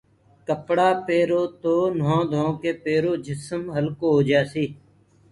ڪپڙآ پيرو تو نوه ڌوڪي پيرو جسم هلڪو هوجآسي